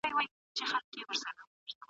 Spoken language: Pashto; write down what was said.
که مطالعه زياته سي فکري وده به چټکه سي.